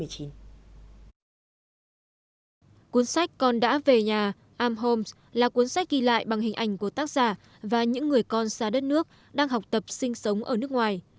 cuốn sách con đã về nhà im homes là cuốn sách ghi lại bằng hình ảnh của tác giả và những người con xa đất nước đang học tập sinh sống ở nước ngoài